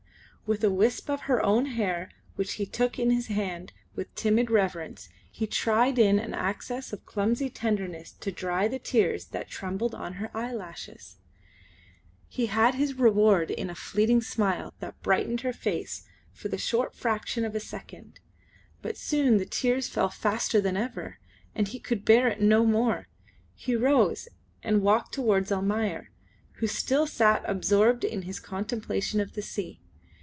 With a wisp of her own hair which he took in his hand with timid reverence he tried in an access of clumsy tenderness to dry the tears that trembled on her eyelashes. He had his reward in a fleeting smile that brightened her face for the short fraction of a second, but soon the tears fell faster than ever, and he could bear it no more. He rose and walked towards Almayer, who still sat absorbed in his contemplation of the sea.